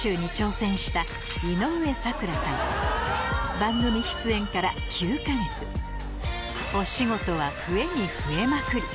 番組出演からお仕事は増えに増えまくり